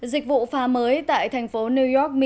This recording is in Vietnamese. dịch vụ phà mới tại thành phố new york mỹ